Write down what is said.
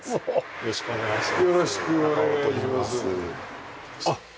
よろしくお願いします。